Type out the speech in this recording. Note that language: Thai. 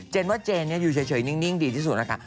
เจนว่าเจนอยู่เฉยนิ่งดีที่สุดนะคะ